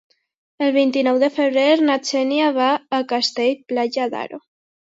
El vint-i-nou de febrer na Xènia va a Castell-Platja d'Aro.